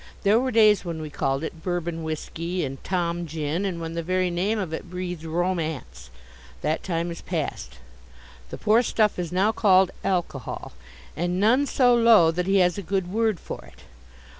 There were days when we called it Bourbon whisky and Tom Gin, and when the very name of it breathed romance. That time is past. The poor stuff is now called alcohol, and none so low that he has a good word for it.